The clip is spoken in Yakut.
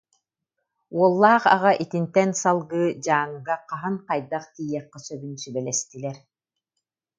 Уоллаах аҕа итинтэн салгыы Дьааҥыга хаһан, хайдах тиийиэххэ сөбүн сүбэлэстилэр